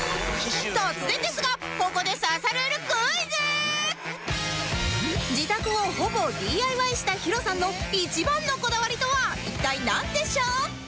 突然ですがここで自宅をほぼ ＤＩＹ した ＨＩＲＯ さんの一番のこだわりとは一体なんでしょう？